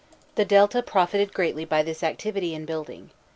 The Delta profited greatly by this activity in building.